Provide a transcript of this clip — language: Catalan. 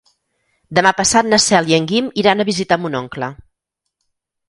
Demà passat na Cel i en Guim iran a visitar mon oncle.